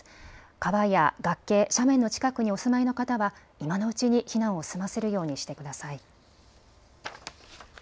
川や崖、斜面の近くにお住まいの方は今のうちに避難を済ませるようにしてください。